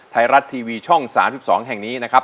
ไทยรัฐทีวีช่อง๓๒แห่งนี้นะครับ